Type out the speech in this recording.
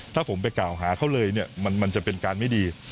ถ้าผมไปกล่าวหาเขาเลยเนี่ยมันจะเป็นการไม่ดี